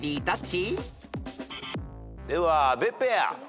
では阿部ペア。